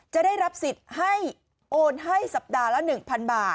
จะได้รับสิทธิ์ให้โอนให้สัปดาห์ละ๑๐๐๐บาท